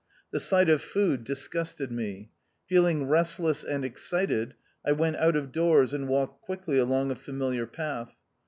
The sight of food disgusted me. Feeling restless and excited, I went out of doors and walked quickly along a familiar path.